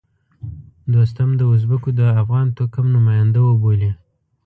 دوستم د ازبکو د افغان توکم نماینده وبولي.